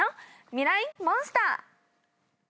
ミライ☆モンスター。